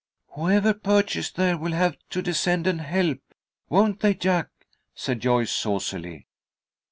"Whoever perches there will have to descend and help, won't they, Jack?" said Joyce, saucily.